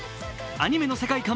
アニメの世界観